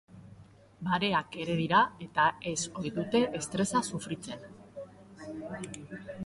Bareak ere dira eta ez ohi dute estresa sufritzen.